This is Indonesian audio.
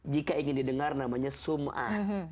jika ingin didengar namanya sum'ah